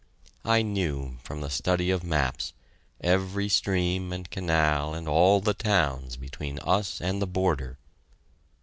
I knew, from the study of maps, every stream and canal and all the towns between us and the border.